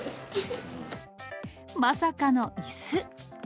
まさかのいす。